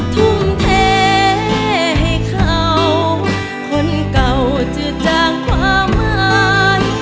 ทุ่มเทให้เขาคนเก่าจืดจางความหวาน